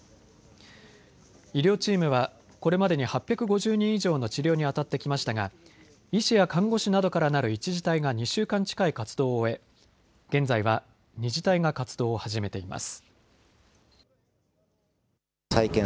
医療チームはこれまでに８５０人以上の治療にあたってきましたが医師や看護師などからなる１次隊が２週間近い活動を終え、現在は２次隊が活動を始めています。